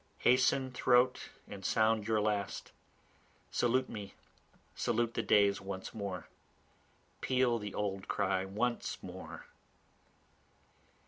Hasten throat and sound your last, Salute me salute the days once more. Peal the old cry once more.